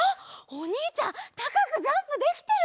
おにいちゃんたかくジャンプできてる！